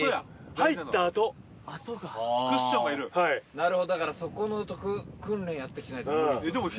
なるほどだからそこの訓練やって来てないと無理。